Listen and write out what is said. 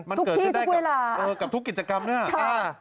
มันเกิดขึ้นได้กับทุกกิจกรรมเนี่ยทุกขี้ทุกเวลา